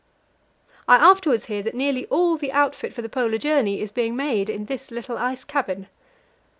I afterwards hear that nearly all the outfit for the Polar journey is being made in this little ice cabin.